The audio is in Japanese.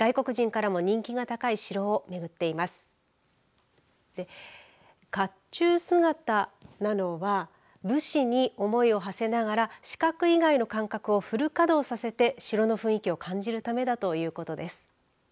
かっちゅう姿なのは武士に思いをはせながら視覚以外の感覚をフル稼働させて城の雰囲気を感じるためだということです。